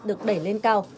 được đẩy lên cao